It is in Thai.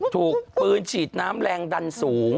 ถูกปืนฉีดน้ำแรงดันสูง